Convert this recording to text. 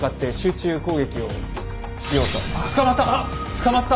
捕まった！